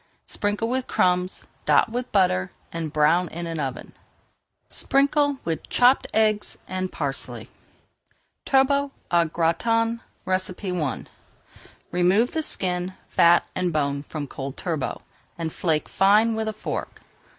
Sprinkle with crumbs, dot with butter, and brown in the oven. Sprinkle with chopped eggs and parsley. TURBOT AU GRATIN I Remove the skin, fat, and bone from cold turbot, and flake fine with a fork.